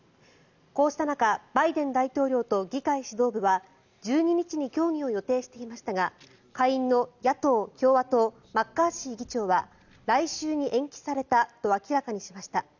こうした中バイデン大統領と議会指導部は１２日に協議を予定していましたが下院の野党・共和党マッカーシー議長は来週に延期されたと明らかにしました。